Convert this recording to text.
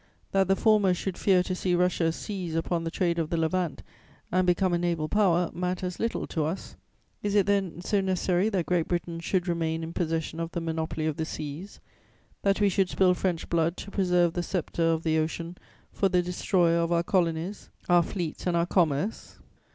That the former should fear to see Russia seize upon the trade of the Levant and become a naval Power matters little to us. Is it, then, so necessary that Great Britain should remain in possession of the monopoly of the seas, that we should spill French blood to preserve the sceptre of the ocean for the destroyer of our colonies, our fleets and our commerce?